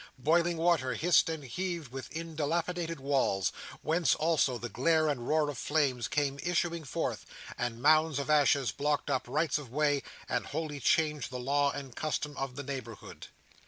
Boiling water hissed and heaved within dilapidated walls; whence, also, the glare and roar of flames came issuing forth; and mounds of ashes blocked up rights of way, and wholly changed the law and custom of the neighbourhood.